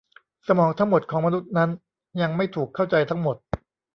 สมองทั้งหมดของมนุษย์นั้นยังไม่ถูกเข้าใจทั้งหมด